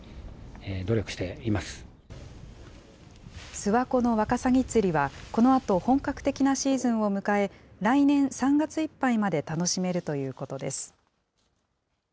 諏訪湖のワカサギ釣りは、このあと、本格的なシーズンを迎え、来年３月いっぱいまで楽しめるということです。